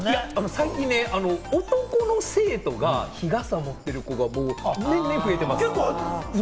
最近、男の生徒が日傘を持ってる子が、年々増えてます。